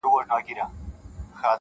چي د ژوند د رنګینیو سر اغاز دی,